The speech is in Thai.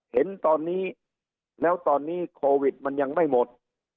เห็นตอนนี้แล้วตอนนี้โควิดมันยังไม่หมด